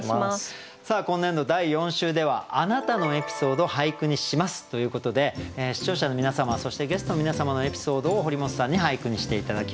今年度第４週では「あなたのエピソード、俳句にします」ということで視聴者の皆様そしてゲストの皆様のエピソードを堀本さんに俳句にして頂きます。